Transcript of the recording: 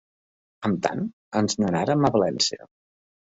Amb tant, ens n'anàrem a València.